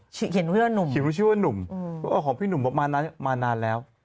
เขียนชื่อว่าหนุ่มเขียนชื่อว่าหนุ่มเพราะว่าของพี่หนุ่มมานานแล้ว